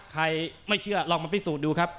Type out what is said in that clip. ใครไม่เชื่อลองมาพิสูจน์ดูครับ